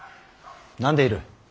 何でいる。